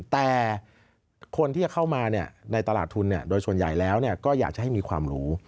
แต่คนที่จะเข้ามาในตลาดทุนโดยส่วนใหญ่แล้วก็อยากจะให้มีความรู้